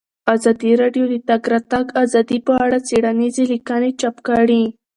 ازادي راډیو د د تګ راتګ ازادي په اړه څېړنیزې لیکنې چاپ کړي.